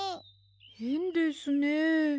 へんですねえ。